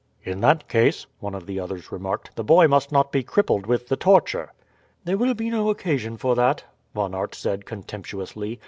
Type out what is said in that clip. "In that case," one of the others remarked, "the boy must not be crippled with the torture." "There will be no occasion for that," Von Aert said contemptuously.